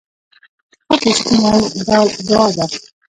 خوب د سکون یو ډول دعا ده